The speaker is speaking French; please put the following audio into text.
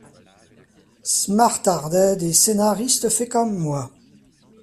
Smartarded et Scénariste Fais comme moi.